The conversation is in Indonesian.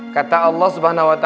kata allah swt